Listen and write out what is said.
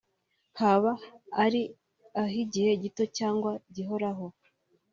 haba ari ah’igihe gito cyangwa gihoraho